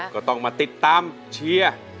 ก็ต้องมาติดตามเชียร์